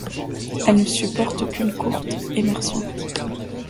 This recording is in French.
Elles ne supportent qu'une courte émersion.